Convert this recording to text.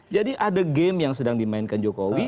jadi ada game yang sedang dimainkan jokowi